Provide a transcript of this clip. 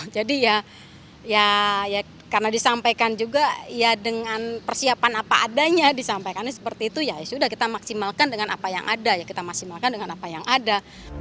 jadi ya karena disampaikan juga ya dengan persiapan apa adanya disampaikan seperti itu ya sudah kita maksimalkan dengan apa yang ada ya kita maksimalkan dengan apa yang ada